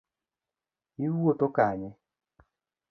Iwuotho kanye